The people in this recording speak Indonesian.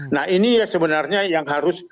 nah ini sebenarnya yang harus